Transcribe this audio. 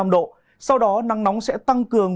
ba mươi năm độ sau đó nắng nóng sẽ tăng cường